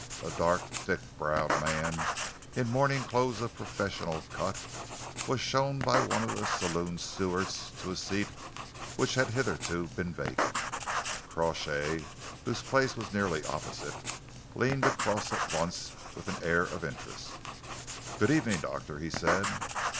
A dark, thick browed man, in morning clothes of professional cut, was shown by one of the saloon stewards to a seat which had hitherto been vacant. Crawshay, whose place was nearly opposite, leaned across at once with an air of interest. "Good evening, Doctor," he said.